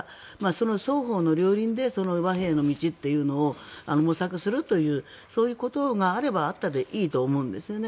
その双方の両輪で和平の道というのを模索するというそういうことがあればあったでいいと思うんですね。